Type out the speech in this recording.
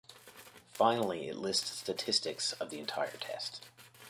Finally, it lists the statistics of the entire test.